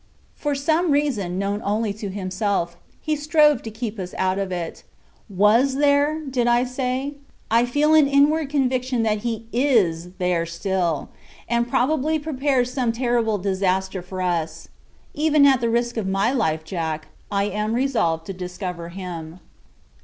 For some reason, known only to himself, he strove to keep us out of it. Was there, did I say? I feel an inward conviction that he is there still, and probably prepares some terrible disaster for us. Even at the risk of my life, Jack, I am resolved to discover him."